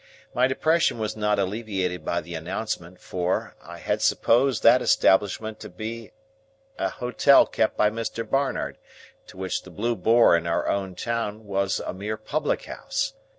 My depression was not alleviated by the announcement, for, I had supposed that establishment to be an hotel kept by Mr. Barnard, to which the Blue Boar in our town was a mere public house.